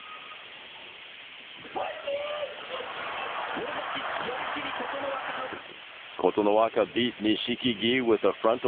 もろ差し、寄り切り琴ノ若の勝ち。